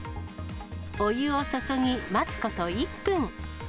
お湯を注ぎ、待つこと１分。